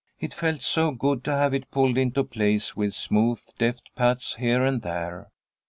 It felt so good to have it pulled into place with smooth, deft pats here and there.